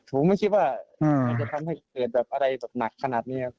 ผมไม่คิดว่ามันจะทำให้เกิดแบบอะไรแบบหนักขนาดนี้ครับ